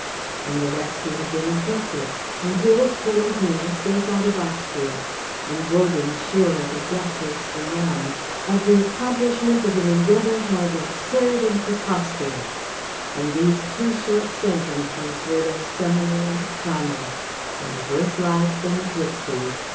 And the rescue had been effected, and here was Clementina safe out of Austria, and Wogan sure of a deathless renown, of the accomplishment of an endeavour held absurd and preposterous; and these two short sentences were their summary and comment, "There are worse lives than a gipsy's."